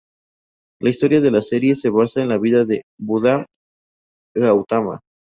La historia de la serie se basa en la vida de Buda Gautama.